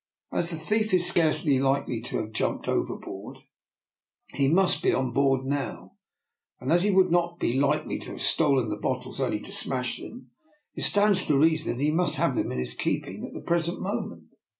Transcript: As the thief is scarcely likely to have jumped overboard, he must be on board now; and as he would not be likely to have stolen the bottles only to smash them, it stands to reason that he must have them in his keeping at the present moment."